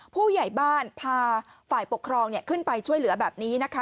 ผู้ใหญ่บ้านพาฝ่ายปกครองขึ้นไปช่วยเหลือแบบนี้นะคะ